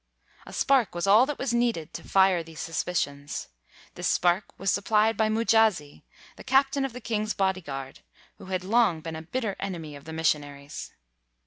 A spark was all that was needed to fire these suspicions. This spark was supplied by Mujasi, the captain of the king's body guard, who had long been a bitter enemy of the missionaries.